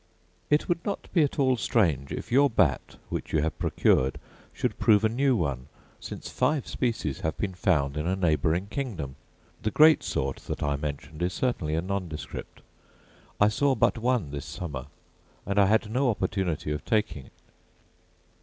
It would not be at all strange if your bat, which you have procured, should prove a new one, since five species have been found in a neighbouring kingdom. The great sort that I mentioned is certainly a nondescript: I saw but one this summer, and that I had no opportunity of taking.